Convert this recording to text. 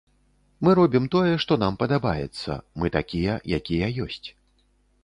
Мы робім тое, што нам падабаецца, мы такія, якія ёсць.